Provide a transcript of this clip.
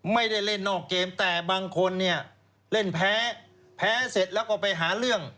ไม่ได้เล่นนอกเกมแต่บางคนเนี่ยเล่นแพ้แพ้เสร็จแล้วก็ไปหาเรื่อง